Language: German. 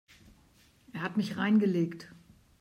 Er hat mich reingelegt.